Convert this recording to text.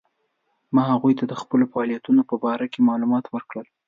ما هغوی ته د خپلو فعالیتونو په باره کې معلومات ورکړل.